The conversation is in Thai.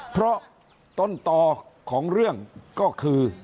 เพราะต้นต่อของเรื่องก็คือ